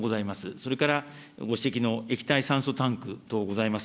それからご指摘の液体酸素タンク等もございます。